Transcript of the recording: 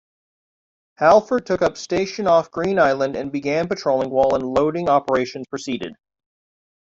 "Halford" took up station off Green Island and began patrolling while unloading operations proceeded.